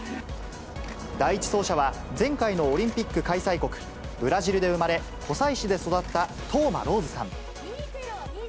第１走者は、前回のオリンピック開催国、ブラジルで生まれ、湖西市で育った當間ローズさん。